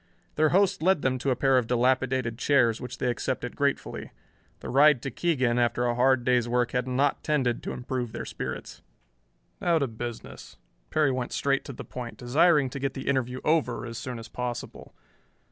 Their host led them to a pair of dilapidated chairs, which they accepted gratefully. The ride to Keegan after a hard day's work had not tended to improve their spirits. "Now to business." Perry went straight to the point, desiring to get the interview over as soon as possible.